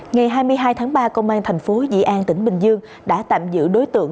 ngày hai mươi hai tháng ba công an thành phố dị an tỉnh bình dương đã tạm giữ đối tượng